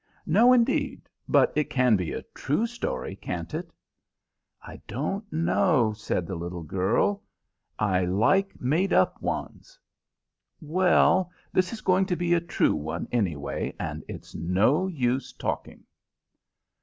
"No, indeed! But it can be a true story, can't it?" "I don't know," said the little girl; "I like made up ones." "Well, this is going to be a true one, anyway, and it's no use talking."